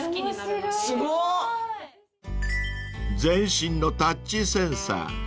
［全身のタッチセンサー